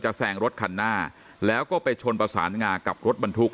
แซงรถคันหน้าแล้วก็ไปชนประสานงากับรถบรรทุก